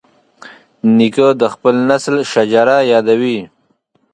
نیکه د خپل نسل شجره یادوي.